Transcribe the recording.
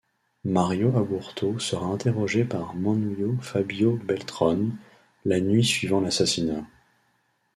Mario Aburto sera interrogé par Manlio Fabio Beltrones la nuit suivant l'assassinat.